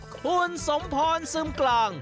คุณสมพรซึมกลาง